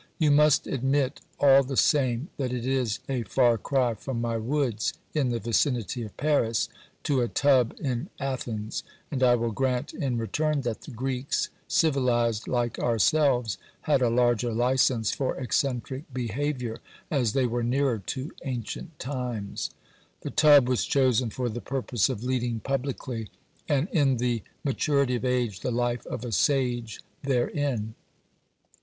You must admit all the same that it is a far cry from my woods in the vicinity of Paris to a tub in Athens, and I will grant in return that the Greeks, civilised like ourselves, had a larger licence for eccentric behaviour, as they were nearer to ancient times. The tub was chosen for the purpose of leading publicly, and in the maturity of age, the life of a sage therein.